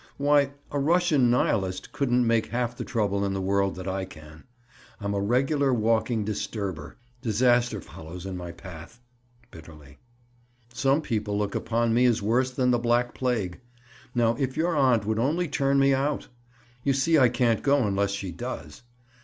Why, a Russian nihilist couldn't make half the trouble in the world that I can. I'm a regular walking disturber. Disaster follows in my path." Bitterly. "Some people look upon me as worse than the black plague. Now if your aunt would only turn me out? You see I can't go unless she does.